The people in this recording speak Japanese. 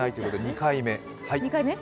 ２回目。